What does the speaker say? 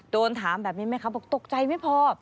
โดนถามแบบนี้ไหมคะบอกตกใจไม่พอ